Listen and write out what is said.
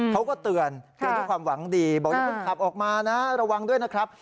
เขาก็เตือนเตือนด้วยความหวังดีบอกอย่าเพิ่งขับออกมานะระวังด้วยนะครับ